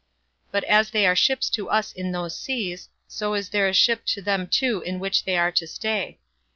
But as they are ships to us in those seas, so is there a ship to them too in which they are to stay.